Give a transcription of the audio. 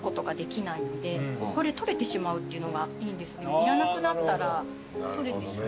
いらなくなったら取れてしまう。